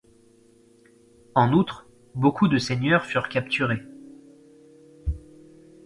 En outre, beaucoup de seigneurs furent capturés.